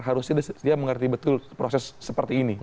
harusnya dia mengerti betul proses seperti ini